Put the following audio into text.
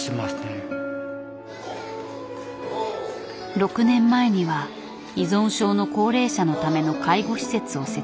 ６年前には依存症の高齢者のための介護施設を設立。